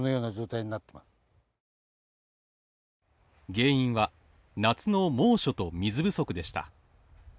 原因は夏の猛暑と水不足でした。